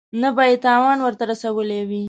نه یې تاوان ورته رسولی وي.